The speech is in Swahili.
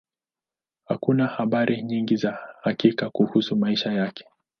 Hakuna habari nyingi za hakika kuhusu maisha yake.